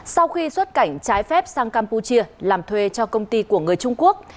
sau khi xuất cảnh trái phép sang campuchia làm thuê cho công ty của người trung quốc